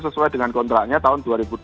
sesuai dengan kontraknya tahun dua ribu dua puluh